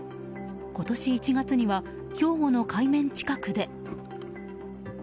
今年１月には兵庫の海面近くで。